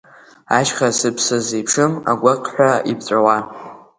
Ашьха сыԥса сеиԥшым, агәақьҳәа иԥҵәауа.